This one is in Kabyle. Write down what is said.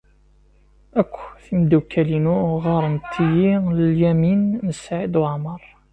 Akk timeddukal-inu ɣɣarent-iyi Lyamin n Saɛid Waɛmeṛ.